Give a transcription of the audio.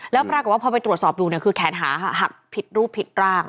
แล้วปรากฏว่าพอไปตรวจสอบดูเนี่ยคือแขนหาหักผิดรูปผิดร่าง